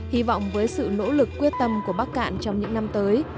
hy vọng với sự nỗ lực quyết tâm của bắc cạn trong những năm tới